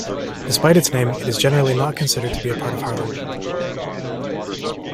Despite its name, it is generally not considered to be a part of Harlem.